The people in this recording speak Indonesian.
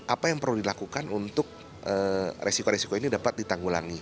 apa yang perlu dilakukan untuk resiko resiko ini dapat ditanggulangi